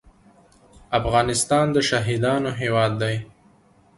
افغانستان د شهیدانو هیواد دی